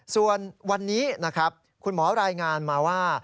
ส่วนวันนี้นะครับคุณหมอรายงานมาว่า